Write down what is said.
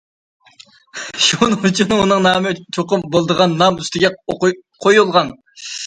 شۇنىڭ ئۈچۈن ئۇنىڭ نامى چوقۇم بولىدىغان نام ئۈستىگە قويۇلغان.